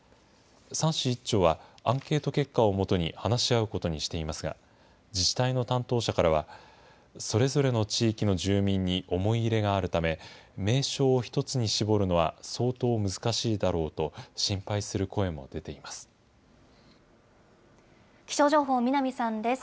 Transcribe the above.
３市１町はアンケート結果を基に話し合うことにしていますが、自治体の担当者からは、それぞれの地域の住民に思い入れがあるため、名称を１つに絞るのは相当難しいだろうと、気象情報、南さんです。